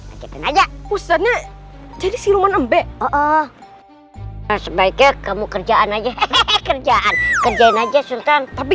aja aja usahanya jadi siluman embek oh sebaiknya kamu kerjaan aja kerjaan kerjain aja sultan tapi